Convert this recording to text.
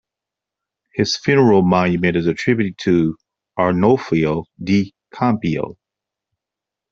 His funeral monument is attributed to Arnolfo di Cambio.